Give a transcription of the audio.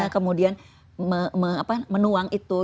kemudian menuang itu